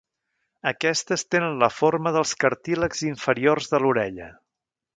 Aquestes tenen la forma dels cartílags inferiors de l'orella.